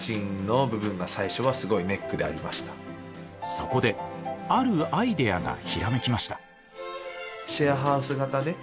そこであるアイデアがひらめきました。